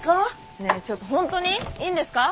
ねえちょっとホントにいいんですか？